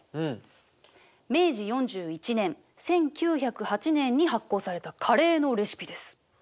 明治４１年１９０８年に発行されたカレーのレシピです。